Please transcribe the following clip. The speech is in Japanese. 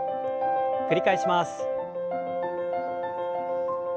繰り返します。